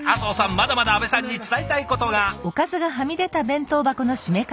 まだまだ阿部さんに伝えたいことが。